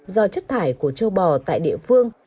do chất thải của châu bò tại địa phương